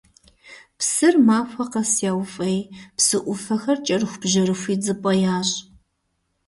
Псыр махуэ къэс яуфӀей, псы Ӏуфэхэр кӀэрыхубжьэрыху идзыпӀэ ящӀ.